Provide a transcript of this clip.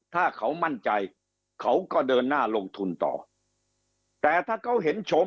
ถ้าเขามั่นใจเขาก็เดินหน้าลงทุนต่อแต่ถ้าเขาเห็นชม